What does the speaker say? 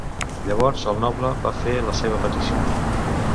Llavors el noble va fer la seva petició.